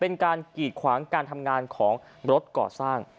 กีดขวางการทำงานของรถก่อสร้าง